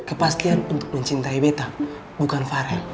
kepastian untuk mencintai beta bukan farel